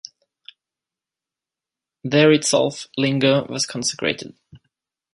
There itself Linga was consecrated.